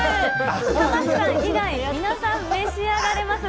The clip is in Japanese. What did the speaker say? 玉城さん以外、皆さん、召し上がれます。